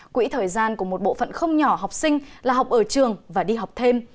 quỹ thời gian của một bộ phận không nhỏ học sinh là học ở trường và đi học thêm